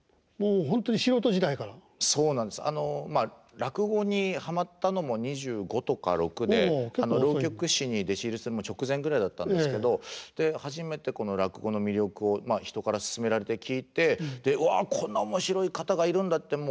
落語にはまったのも２５とか６で浪曲師に弟子入りする直前ぐらいだったんですけど初めてこの落語の魅力を人から勧められて聴いて「うわこんな面白い方がいるんだ」って